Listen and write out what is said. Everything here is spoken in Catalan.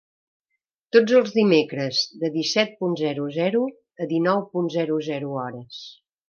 Tots els dimecres, de disset punt zero zero a dinou punt zero zero hores.